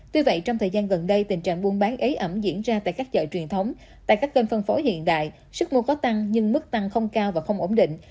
tuy vậy trong thời gian gần đây tình trạng buôn bán ế ẩm diễn ra tại các chợ truyền thống tại các kênh phân phối hiện đại sức mua có tăng nhưng mức tăng không cao và không ổn định